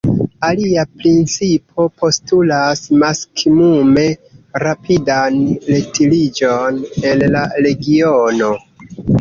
Alia principo postulas maksimume rapidan retiriĝon el la regiono.